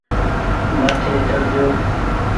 مآٿي چڙ جو۔